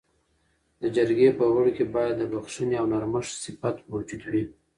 د جرګې په غړو کي باید د بخښنې او نرمښت صفت موجود وي.